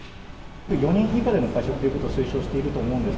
４人以下での会食ということを推奨していると思うんです